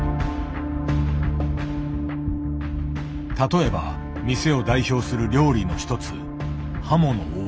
例えば店を代表する料理の一つハモのお椀。